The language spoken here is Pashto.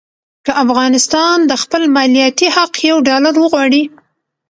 که افغانستان د خپل مالیاتي حق یو ډالر وغواړي.